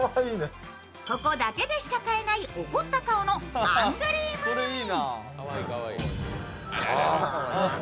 ここだけでしか買えない怒った顔のアングリームーミン。